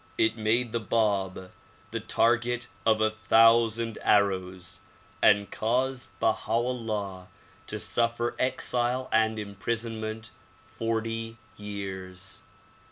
It made the Bab the target of a thousand arrows and caused Baha 'Ullah to suffer exile and imprisonment forty years.